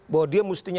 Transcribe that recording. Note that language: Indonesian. bahwa dia mestinya